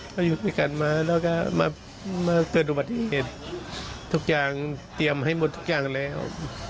เขาอยู่ด้วยกันมาแล้วก็มาเกิดอุบัติเหตุทุกอย่างเตรียมให้หมดทุกอย่างแล้ว